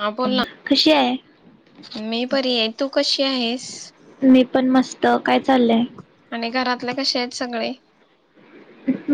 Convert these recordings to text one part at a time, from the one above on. हा बोल ना कशी आहे? मी बरी आहे तू कशी कुठे आहेस मी पण मस्त काय चाललंय आणि घरातले कसे आहेत सगळे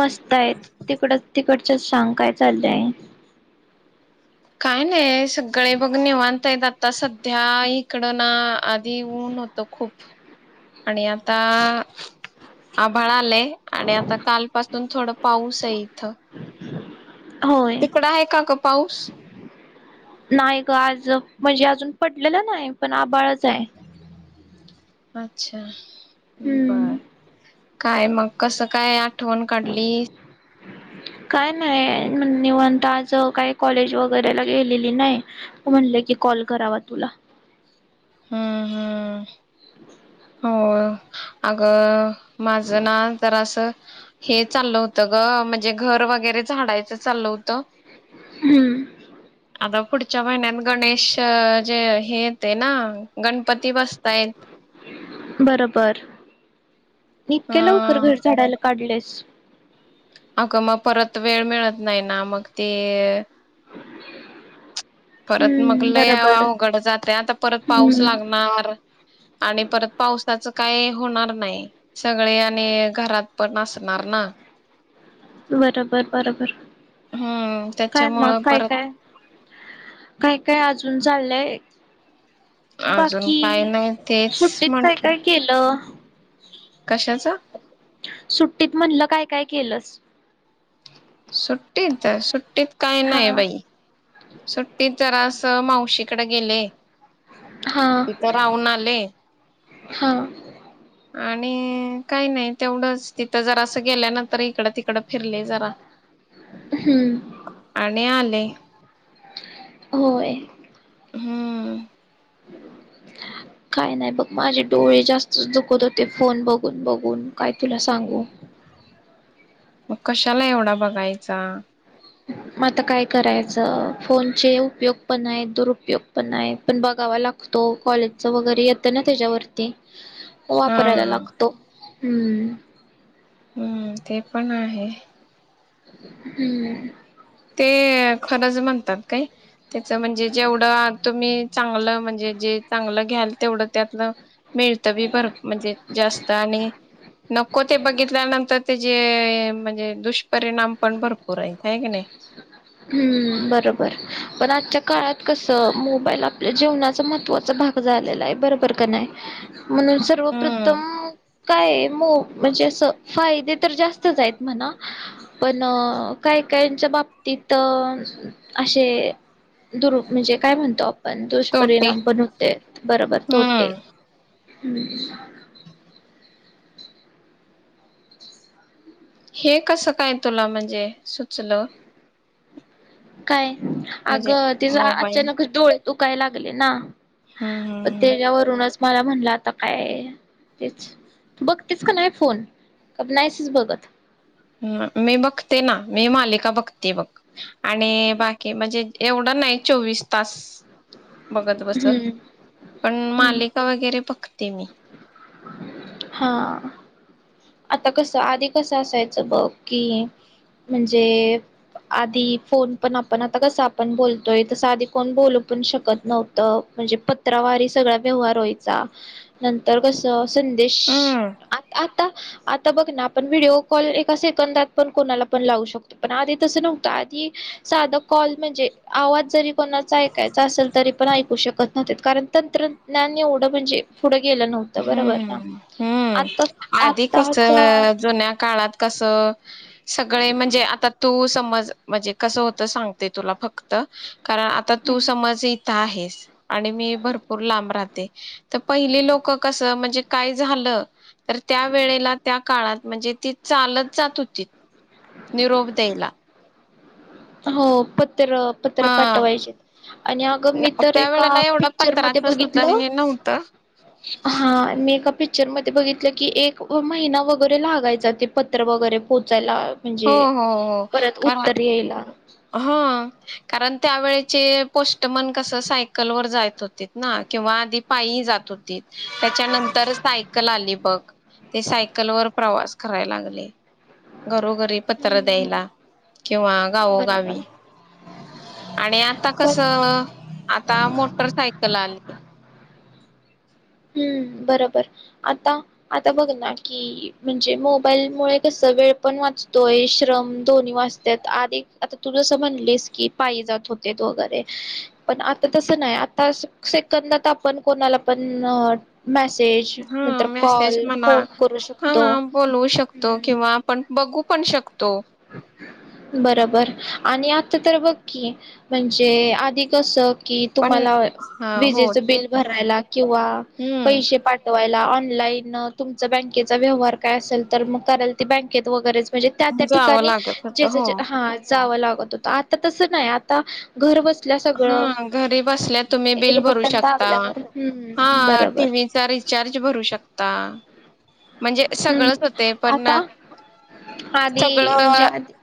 मस्त आहेत तिकडच तिकड अ सांग काय चाललंय काय नाही सगळे बघ निवांतयेत आता सध्या इकडं ना आधी ऊन होत खूप आणि आता आभाळ आलंय आणि आता कालपासून थोडं पाऊस आहे इथं होय. तिकडं आहे का पाऊस नाही ग आज म्हणजे अजून पडलेलं नाही पण आभाळच ह अच्छा हम्म बर काय मग कसं काय आठवण काढली काय नाही निवांत आज काही कॉलेज वगैरेला गेलेली नाही म्हणले की कॉल करावा तुला हम्म हम्म ह हो अगं माझं ना जरासं हे चाललं होतं ग म्हणजे घर वगैरे झाडायचं चाललं होतं हम्म आता पुढच्या महिन्यात गणेश जे हे येत ना गणपती बसताय बरोबर अ इतके लवकर घर झाडायला काढलेस अगं मग परत वेळ मिळत नाही ना मग ते परत मग हम्म लई बरोबर अवघड जाते आता परत पाऊस हम्म लागणार आणि परत पावसाच काय होणार नाही सगळे आणि घरात पण असणार ना बरोबर बरोबर हम्म काय मग त्याच्यामुळं काय परत काय काय काय अजून चाललंय अजून बाकी काय नाही तेच सुट्टीत काय काय केलं कशाचा सुट्टीत म्हणलं काय काय केलंस सुटीत सुट्ट तेच काय हा नाही बाई सुट्टीत जरास मावशीकडे गेले हा तिथ राहून आले हा आणि काही नाही तेवढंच तिथं जर असं गेल्यान तर इकडं तिकडं फिरले जरा हम्म आणि आले होय हम्म काय नाही बघ माझे डोळे जास्त दुखत होते फोन बघून बघून काय तुला सांगू मग कशाला एवढा बघायचा आता काय करायचं फोनचे उपयोग पण आहे दुरुपयोग पण आहे पण बघावा लागतो कॉलेजचा वगैरे येतं ना त्याच्यावरती हा वापरायला लागतो हम्म हम्म ते पण आहे हम्म ते खराच म्हन का त्याच म्हणजे जेवढं तुम्ही चांगलं म्हणजे जे चांगलं घ्याल तेवढं त्यातलं मिळतं बी बर म्हणजे जास्त आणि नको ते बघितल्यानंतर त्याचे म्हणजे दुष्परिणाम पण भरपूर आहेत आहे की नाही हम्म बरोबर पण आजच्या काळात कसं मोबाईल आपल्या जीवनाचा महत्त्वाचा भाग झालेला आहे बरोबर का नाही म्हणून हम्म सर्वप्रथम काय मो म्हणजे अस फायदे तर जास्तच आहेत म्हणा पण काय काय बाबतीत असे दुरु म्हणजे काय म्हणतो आप पण तोटे दुष्परिणाम पण होते बरोबर तोटे हम्म ब हे कसं काय तुला म्हणजे सुचल काय म्हणजे अगं ते मोबाईल अचानक डोळ तू काय लागले ना हम्म हम्म त्याच्यावरूनच मला म्हणलं आता काय तेच बघ तेच का नाही फोन नाहीसच बघत ह मी बघते ना मी मालिका बघते बघ आणि बाकी म्हणजे एवढं नाही चोवीस तास बघत बसत हम्म पण हम्म मालिका वगैरे फक्त तिमही हा आता कस आधी कस असायचं बघ कि म्हणजे आधी फोन पण आपण आता कस आपण बोलतोय तस आधी कोण बोलू पण शकत नव्हतं म्हणजे पत्रावारी सगळा व्यवहार व्हायचा नंतर कस संदेश हम्म आ आता आता बघ ना आपण व्हिडिओ कॉल एका सेकंदात पण कोणाला पण लावू शकतो पण आधी तसं नव्हतं आधी साधा कॉल म्हणजे आवाज जरी कोणाच ऐकायचं असेल तरी पण ऐकू शकत न कारण तंत्रज्ञान एवढ म्हणजे पुढं गेलं नव्हतं बरोबर ना हम्म आता हम्म आधी आताच्या कसं जुन्या काळात कसं सगळे म्हणजे आता तू समज म्हणजे कसं होत सांगते तुला फक्त कारण आता तू समज आहेस आणि मी भरपूर लांब राहते तर पहिले लोकं कसं म्हणजे काय झालं? तर त्या वेळेला त्या काळात म्हणजे ती चालत जात होती. निरोप द्यायला. हो. पत्र हा पाठवायचे आणि अगं मी न- तर त्या एका वेळेला एवढं पिक्चर मध्ये पत्राच सुद्धा बघितलं हे नव्हतं हा मी- पिक्चर मध्ये बघितलं, की एक महिना वगैरे लागायचा ते पत्र वगैरे पोहोचायला हो, हो, हो का? यायला ह कारण त्यावेळेचे पोष्टमन कस सायकल वर जात होते ना किंवा आधी पायी जात होती त्याच्यानंतर सायकल आली बघ ते सायकल वर प्रवास कराय लागले घरोघरी पत्र हम्म द्यायला किंवा गाव बरोबर आणि आता कस पण आता मोटरसायकल आली हम्म बरोबर आता आता बघ ना की म्हणजे मोबाईल मु कस वेळ पण वाचतोय श्रम दोन्ही वाचतात आधी आता तू जसं म्हणलीस की पायी जात होते वगैरे पण आता तसं नाही आता सेकंदात आपण कोणाला पण मा हा मेसेज मला करू हा शकतो. बोलवू शकतो हम्म किंवा आपण बघू पण शकतो. बरोबर आणि आता तर बघकी म्हणजे आधी कस. की पण तुम्हाला हा हो विजेच ते बिल तर आहे भरायला किंवा पैसे हम्म पाठवा न तुम बँकेचा व्यवहार काय असेल तर मग कराल बँकेत वगैरे. [inaudible] जावं ठिकाणी लागत होत जे हो जे हा. जावं लागत होत आता तसं नाही आता घर बस. हा घरी बसल्या तुम्ही एक बिल भरू बटन शकता दाबल्यावर हा हम्म बरोबर टीव्हीचा रिचार्ज भरू शकता म्हणजे. हम्म सगळंच होते पण आता आधी म्हणजे सगळं आधी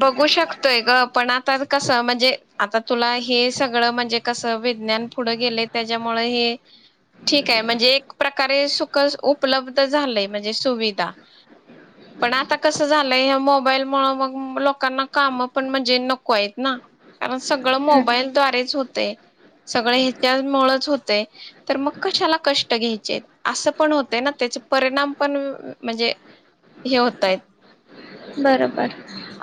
बघू शकतोय गं पण आता. कस म्हणजे आता तुला. हे सगळं म्हणजे कस विज्ञान पुढं गेले त्याच्यामुळे हे ठीक आहे म्हणजे एक प्रकारे सुख उपलब्ध झालंय म्हणजे सुविधा. पण आता कस झालंय. मोबाईल मूळ मग लोकांना काम पण म्हणजे नको आहेत ना. कारण सगळं मो. हम्म मोबाईल द्वारेच हो. ते. सगळे हेच्यामुळच होत. [inaudible] तर मग कशाला कष्ट घ्याय. अस पण होतय ना त्याचे परिणाम पण म्हणजे हे होतय. बरोबर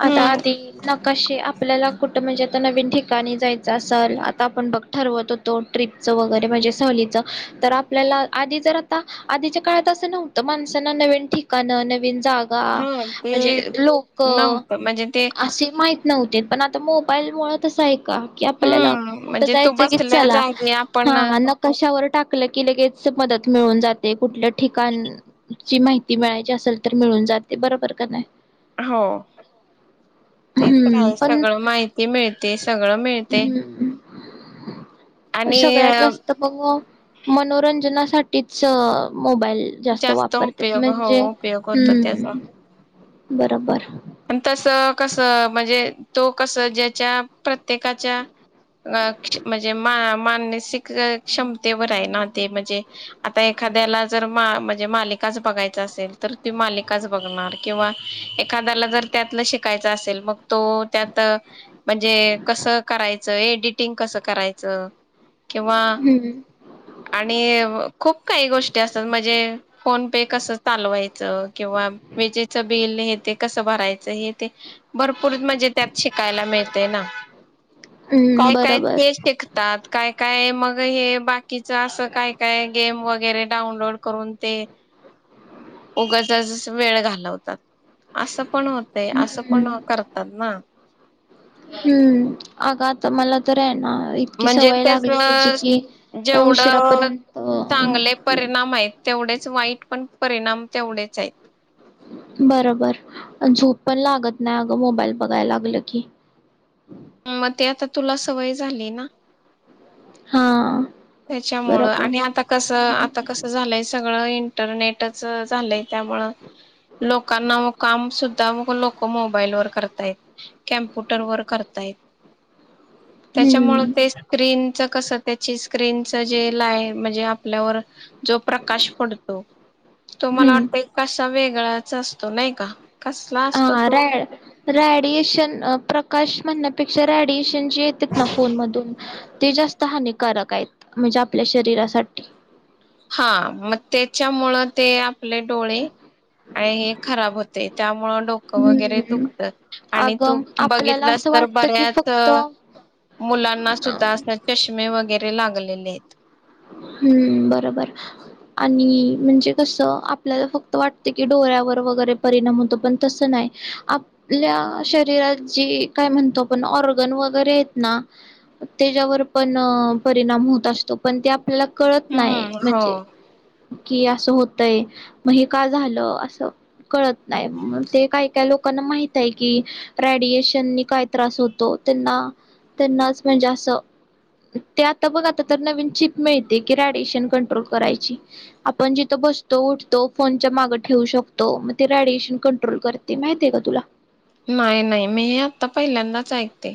आता ते नकाशे आपल्याला कुठं म्हणजे. नवीन ठिकाणी जायचं असल आता आपण बघ ठरवत होतो ट्रिपच वगैरे म्हणजे सहलीच तर आपल्याला आधी तर आता आधीच्या काळात असं नव्हतं माणसाना नवीन ठिकाण नवीन. जागा. हा म्हणजे ते लोक नव्हतं म्हणजे ते असे माहिती. नव्हते पण आता मोबाईलमुळे तसं आहे. का की आपल्याला हम्म कुठं म्हणजे तू जायचं की बसल्या चला जागी आपण हा नकशावर. टाकलं की लगेच मदत मिळून जाते कुठल्या ठिकाणची माहिती मिळायची असेल तर मिळून जाते बरोबर का नाही. हो ते तर हम्म हाय पण सगळं माहिती मिळते. सगळं मिळते आणि सगळ्यात जास्त मग मनोरंजनासाठी. ठीच. मोबाईल जास्त वापरतेत उपयोग हो म्हणजे उपयोग होतो हम्म. बरोबर. आणि तस कसं म्हणजे तो कस ज्याच्या प्रत्येकाच्या म्हणजे मा मानसिक क्षमतेवर आहे ना ते म्हणजे आता एखाद्याला जर मा म्हणजे मालिकाच बघायच असेल तर त्यो मालिकाच बघणार किंवा एखाद. जर त्यात शिकायच असेल मगत तो त्यात म्हणजे कस करायचं एडिटिंग कस करायचं. किंवा हम्म आणि खूप. काही गोष्टी असतात म्हणजे फोन पे कसं चालवायचं किंवा विजेच बिल हे. ते कसं भरायचं हे ते भरपूर म्हणजे त्यात शिकायला मिळतय ना. हम्म बरोबर. त्यात काय काय मग हे बाकीच असं काय काय गेम वगैरे डाउनलोड करून ते उगचच वेळ घालवतात. असं पण होते असं हम्म पण करतात ना. हम्म आग आता मला तर आहे ना इतकी म्हणजे सवय लागली त्याची त्याच कि जेवढ उशिरापर्यंत चांगले परिणाम आहेत तेवढेच वाईट पण परिणाम त्यावढेच आहेत. बरोबर. झोप पण लागत नाही अगं मोबाईल बघाय लागलं की. म ते आता तुला सवय झाली ना? हा. त्याच्यामुळ बरोबर आणि आता कस आता कसं झालंय सगळं इंटरनेट इंटरनेटच झालंय त्यामळ लोकांना म काम सुद्धा मग लोक मोबाईल वर करतायत कम्प्युटर वर करतायत. त्याच्यामुळे हम्म ते स्क्रीन च कसं त्याची स्क्रीनच जे लाय म्हणजे आपल्यावर जो प्रकाश पडतो तो मला हम्म वाटत कसा वेग गळाच असतो नाही का? कसला असतो हा तो? रॅड रॅडिएशन प्रकाश म्हणण्यापेक्षा रेडिएशन जे येतेत ना फोन मधून ते जास्त हानिकारक आहेत म्हणजे आपल्या शरीरासाठी. हा मग त्याच्यामुळ ते आपले डोळे आणि हे खराब होते त्या मूळ डोकं वगैरे हम्म दुखत आणि तू अगं आपल्याला बघितलास असं तर वाटतं की बऱ्याच फक्त मुलांना सुद्धा अस चष्मे वगैरे लागलेले आहेत. हम् बरोबर आणि म्हणजे कसं आपल्याला फक्त वाटत कि डोळ्यावर वगैरे परिणाम होतो पण तस नाही आपल्या शरीरात जे काय म्हणतो आपण ऑर्गन वगैरे आहेत ना तेज्यावर पण परिणाम होत असतो पण ते प्लग कळत नाही हम्म. म्हणजे हो कि असं होतय मग का झालं असं कळत नाही. ते काही काही लोकांना माहित आहे कि रेडिएशननी काय त्रास होतो. त्यांना त्यांनाच म्हणजे असं ते आता बघ आता तर नवीन चीप मिळते की रेडिएशन कंट्रोल करायची आपण जिथं बसतो उठतो फोनच्या मागे ठेवू शकतो. मग ते रेडिएशन कंट्रोल करते. माहितीय का तुला? नाही नाही मी हे आता पहिल्यांदाच ऐकते.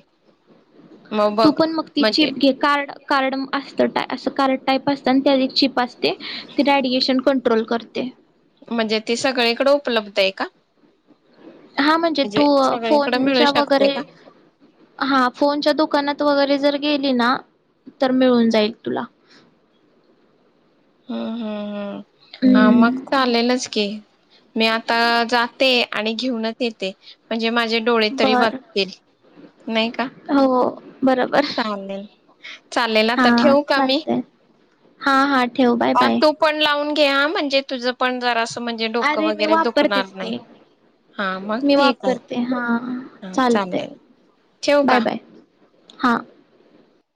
मग तू बघ पण मग ति म्हणजे चीप घे. कार्ड कार्ड असत असं कार्ड टाईप असतं आणि त्या चिप आसते ते रेडिएशन कंट्रोल करते. ते म्हणजे ते सगळीकडं उपलब्ध आहे का? हा म्हणजे तू सगळीकडे मिळू फोनच्या शकते वगैरे का? हा फोनच्या दुकानात वगैरे जर गेली ना तर मिळून जाईल तुला हम् हम् हम् हा मग हम्म चालेलच की मी आता जाते आणि घेऊनच येते म्हणजे माझ डोळे तरी बर वाचतील नाही का हो बरोबर चालेल चालेल आता हा ठेवू का मी चालतय हा हा ठेव बाय ह बाय तू पण लावून घ्या म्हणजे तुझं पण जरा अरे मी वापरतेच ते हा मग मी ठीक आहे वापरते हा हा चालतय चालेल ठेवू बाय का? बाय हा